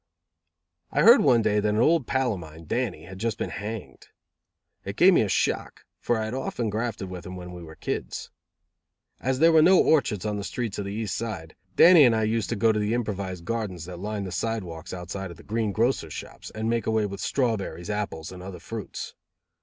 I heard one day that an old pal of mine, Dannie, had just been hanged. It gave me a shock, for I had often grafted with him when we were kids. As there were no orchards on the streets of the east side, Dannie and I used to go to the improvised gardens that lined the side walks outside of the green grocers' shops, and make away with strawberries, apples, and other fruits.